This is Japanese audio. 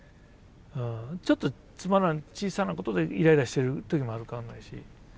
ちょっとつまらない小さなことでイライラしてる時もあるか分かんないし。